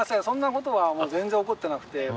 そんな事は全然怒ってなくて。